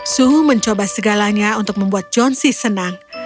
sue mencoba segalanya untuk membuat john c senang